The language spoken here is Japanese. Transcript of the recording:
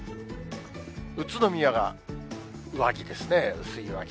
宇都宮が上着ですね、薄い上着。